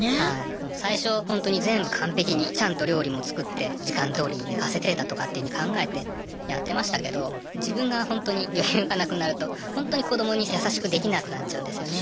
もう最初ほんとに全部完璧にちゃんと料理も作って時間どおりに寝かせてだとかっていうふうに考えてやってましたけど自分がほんとに余裕がなくなるとほんとに子どもに優しくできなくなっちゃうんですよね。